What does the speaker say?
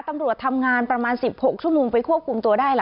ตำรวจทำงานประมาณ๑๖ชั่วโมงไปควบคุมตัวได้ล่ะ